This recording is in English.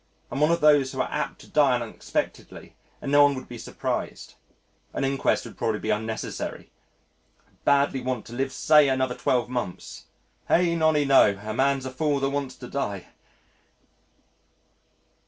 I am one of those who are apt to die unexpectedly and no one would be surprised. An inquest would probably be unnecessary. I badly want to live say another twelve months. Hey! nonny no! a man's a fool that wants to die.